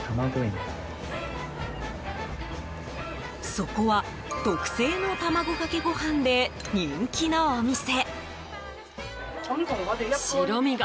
そこは、特製の卵かけご飯で人気のお店。